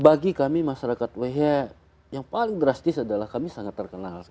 bagi kami masyarakat wehea yang paling drastis adalah kami sangat terkenal